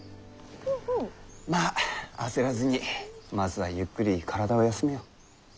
まあ焦らずにまずはゆっくり体を休めよ。